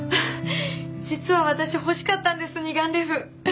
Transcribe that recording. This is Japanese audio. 実は私欲しかったんです二眼レフ。